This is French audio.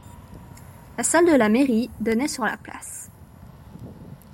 La salle de la mairie donnait sur la place.